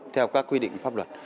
theo các quy định pháp luật